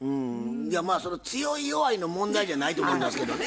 まあその強い弱いの問題じゃないと思いますけどね。